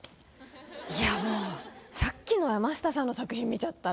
いやもうさっきの山下さんの作品見ちゃったら。